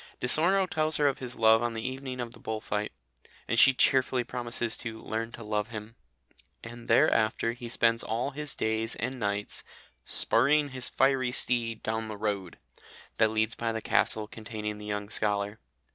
Di Sorno tells her of his love on the evening of the bull fight, and she cheerfully promises to "learn to love him," and therafter he spends all his days and nights "spurring his fiery steed down the road" that leads by the castle containing the young scholar.